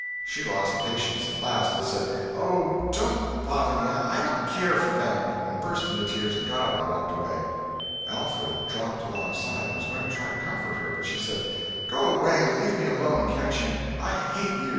she lost patience at last, and said, "Oh, don't bother me! I don't care for them!" and burst into tears, and got up and walked away. Alfred dropped alongside and was going to try to comfort her, but she said: "Go away and leave me alone, can't you! I hate you!"